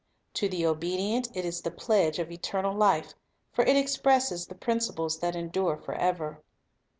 To the obedient it is the pledge of eternal life; for it expresses the principles that endure forever.